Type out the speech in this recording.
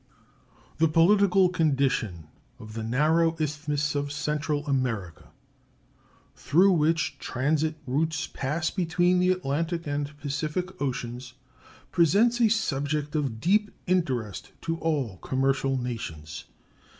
The political condition of the narrow isthmus of Central America, through which transit routes pass between the Atlantic and Pacific oceans, presents a subject of deep interest to all commercial nations.